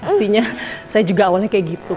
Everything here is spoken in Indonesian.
saya juga seperti itu